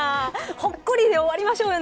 ほっこりで終わりましょうよ